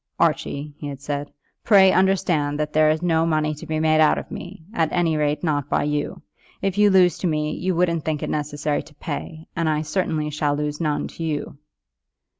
"Archie," he had said, "pray understand that there is no money to be made out of me, at any rate not by you. If you lost money to me, you wouldn't think it necessary to pay; and I certainly shall lose none to you."